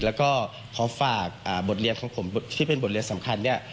แล้วก็ขอฝากบทเรียนของผมที่เป็นบทเรียนสำคัญเนี่ย